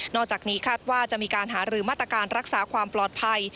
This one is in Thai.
อกจากนี้คาดว่าจะมีการหารือมาตรการรักษาความปลอดภัย